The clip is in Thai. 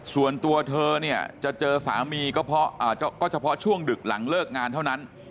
ส่วนตัวเธอเนี่ยจะเจอสามีก็เฉพาะช่วงดึกหลังเลิกงานเท่านั้น